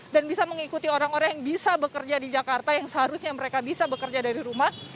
dan bisa mengikuti orang orang yang bisa bekerja di jakarta yang seharusnya mereka bisa bekerja dari rumah